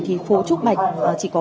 thì phố trúc bạch chỉ có